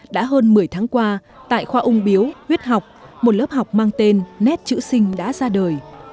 đã hơn một mươi tháng qua tại khoa ung biếu huyết học một lớp học mang tên nét chữ sinh đã ra đời